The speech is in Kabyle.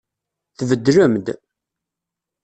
Tbeddlem-d.